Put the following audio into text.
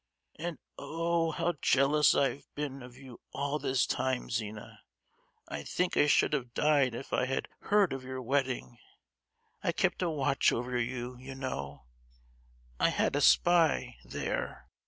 "And, oh! how jealous I have been of you all this time, Zina! I think I should have died if I had heard of your wedding. I kept a watch over you, you know; I had a spy—there!"